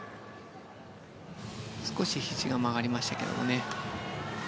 少しひじが曲がりましたけどね。